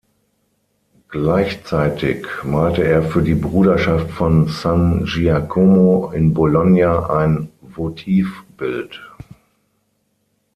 Gleichzeitig malte er für die Bruderschaft von San Giacomo in Bologna ein Votivbild.